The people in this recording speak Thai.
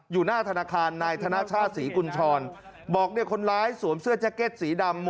อยู่หน้าธนาคารนายธนชาติศรีกุญชรบอกเนี่ยคนร้ายสวมเสื้อแจ็คเก็ตสีดำ